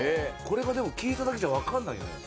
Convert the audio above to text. これがでも聞いただけじゃわかんないよね。